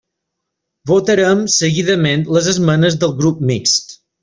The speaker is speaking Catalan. Votarem seguidament les esmenes del Grup Mixt.